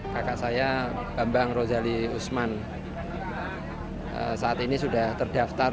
kakak saya bambang rozali usman saat ini sudah terdaftar